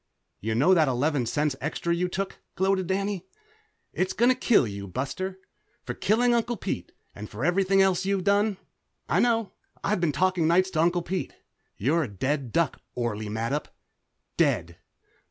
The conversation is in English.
"You know that eleven cents extra you took?" gloated Danny. "It's gonna kill you, Buster, for killing Uncle Pete, and for everything else you've done. I know. I've been talking nights to Uncle Pete. You're a dead duck, Orley Mattup! Dead!"